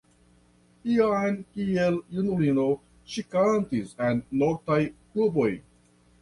Jam kiel junulino ŝi kantis en noktaj kluboj.